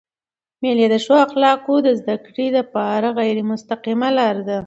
مېلې د ښو اخلاقو د زدهکړي له پاره غیري مستقیمه لار ده.